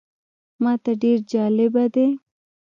ماته ډېر جالبه دی.